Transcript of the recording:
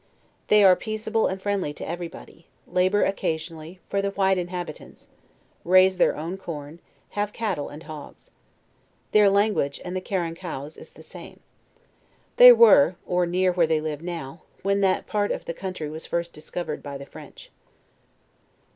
They arc peaceable and friend ly to every body; labor, occasionally, for the white inhabi tants: raise their own com; have cattle and hogs. Their lan guage and the Carankouas is the same. They were, or near where they now live, when that part of the country was first discovered by the French.